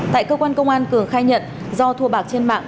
tại cơ quan công an cường khai nhận do thua bạc trên mạng